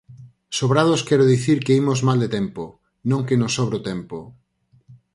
Sobrados quero dicir que imos mal de tempo, non que nos sobre o tempo.